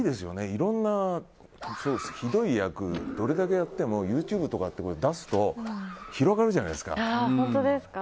いろんなひどい役をどれだけやってもＹｏｕＴｕｂｅとかで出すと、広がるじゃないですか。